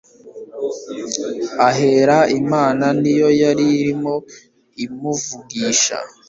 aheraimana ni yo yari irimo imuvugisha